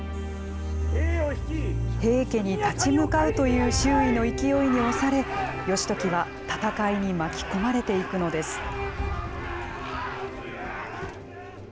平家に立ち向かうという周囲の勢いに押され、義時は戦いに巻き込まれていくのです。